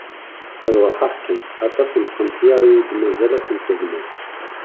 Ad ruḥeɣ kan; aṭas n tqenṭyar i yi-d-mazal ad tent-bnuɣ!